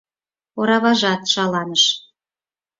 Ораважат шаланыш.